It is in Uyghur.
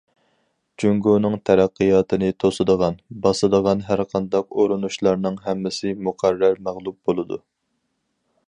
جۇڭگونىڭ تەرەققىياتىنى توسىدىغان، باسىدىغان ھەرقانداق ئۇرۇنۇشلارنىڭ ھەممىسى مۇقەررەر مەغلۇپ بولىدۇ.